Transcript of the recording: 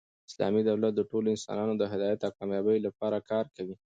اسلامي دولت د ټولو انسانانو د هدایت او کامبابۍ له پاره کار کوي.